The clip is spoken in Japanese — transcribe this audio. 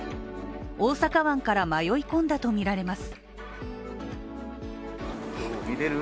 大阪湾から迷い込んだとみられます。